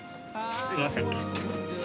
すいません。